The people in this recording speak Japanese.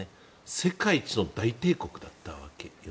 世界一の大帝国だったわけです。